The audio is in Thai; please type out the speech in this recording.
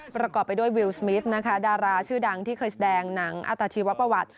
ประกอบไปด้วยวิวสมิทนะคะดาราชื่อดังที่เคยแสดงหนังอัตชีวประวัติ